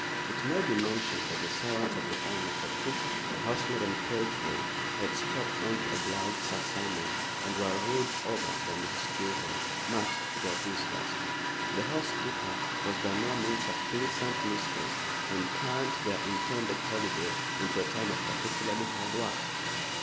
It may be mentioned that the servants of the owner a cook, a housemaid and a pageboy had stopped on to oblige Sir Simon, and were ruled over by Mrs. Gilroy, much to their disgust. The housekeeper was by no means a pleasant mistress, and turned their intended holiday into a time of particularly hard work.